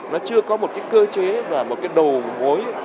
nó chưa có một cái cơ chế và một cái đầu mối